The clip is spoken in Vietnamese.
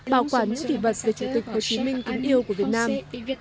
bảo quản những kỷ vật về chủ tịch hồ chí minh kính yêu của việt nam